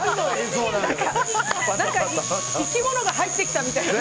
生き物が入ってきたみたいな。